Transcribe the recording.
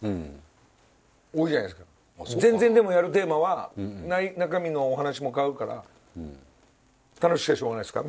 全然でもやるテーマは中身のお話も変わるから楽しくてしょうがないですか？